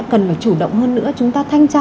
cần phải chủ động hơn nữa chúng ta thanh tra